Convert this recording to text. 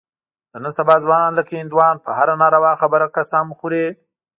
د نن سبا ځوانان لکه هندوان په هره ناروا خبره قسم خوري.